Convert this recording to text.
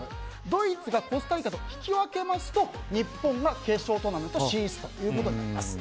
ドイツがコスタリカと引き分けますと日本が決勝トーナメント進出ということになります。